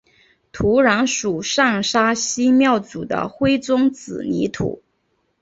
土壤属上沙溪庙组的灰棕紫泥土。